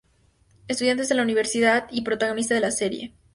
Estudiante de la Universidad N y protagonista de la serie.